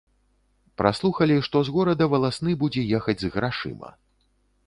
Праслухалі, што з горада валасны будзе ехаць з грашыма.